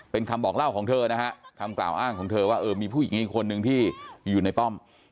เป็นคำบอกเล่าของเธอนะฮะคำกล่าวอ้างของเธอว่าเออมีผู้หญิงอีกคนนึงที่อยู่ในป้อม